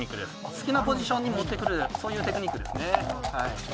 好きなポジションに持ってくるというテクニックです。